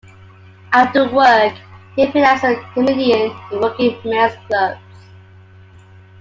After work he appeared as a comedian in working men's clubs.